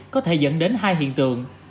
có thể dẫn đến hai hiện tượng